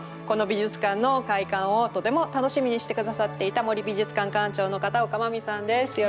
この美術館の開館をとても楽しみにして下さっていた森美術館館長の片岡真実さんです。